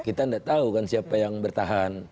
kita tidak tahu kan siapa yang bertahan